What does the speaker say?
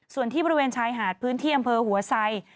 ส่วนที่บริเวณชายหาดพื้นที่อำเภอหัวไซ